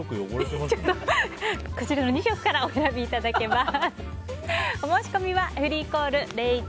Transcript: ２色からお選びいただけます。